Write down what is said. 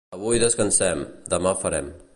Avui descansem, demà farem.